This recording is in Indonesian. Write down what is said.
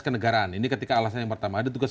kenegaraan ini ketika alasan yang pertama ada tugas